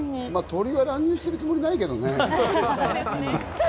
鳥は乱入しているつもりはないけどね。